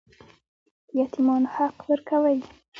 د یتیمانو حق ورکوئ؟